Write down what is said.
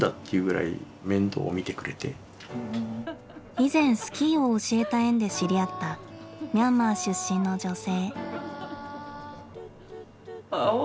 以前スキーを教えた縁で知り合ったミャンマー出身の女性。